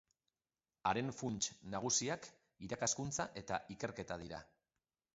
Haren funts nagusiak irakaskuntza eta ikerketa dira.